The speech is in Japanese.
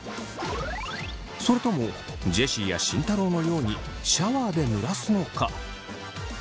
それともジェシーや慎太郎のようにシャワーでぬらすのか？